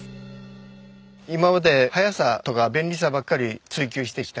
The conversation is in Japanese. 今まで速さとか便利さばっかり追求してきた。